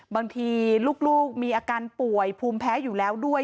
บางทีลูกมีอาการป่วยภูมิแพ้อยู่แล้วด้วย